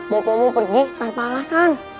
bobomu pergi tanpa alasan